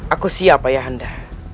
aku siap ayah anda